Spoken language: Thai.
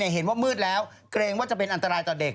เห็นว่ามืดแล้วเกรงว่าจะเป็นอันตรายต่อเด็ก